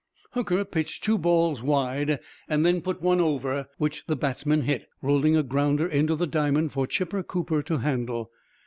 Hooker pitched two balls wide, and then put one over; which the batsman hit, rolling a grounder into the diamond for Chipper Cooper to handle.